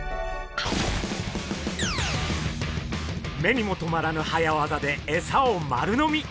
目にもとまらぬ早業でエサを丸飲み！